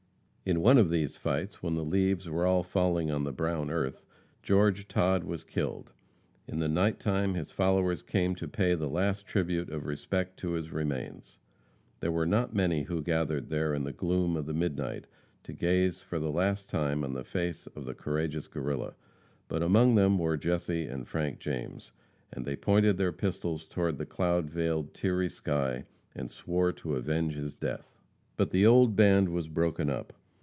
In one of these fights, when the leaves were all falling on the brown earth, George Todd was killed. In the night time his followers came to pay the last tribute of respect to his remains. There were not many who gathered there in the gloom of the midnight to gaze for the last time on the face of the courageous Guerrilla, but among them were Jesse and Frank James, and they pointed their pistols toward the cloud veiled, teary sky, and swore to avenge his death. But the old band was broken up.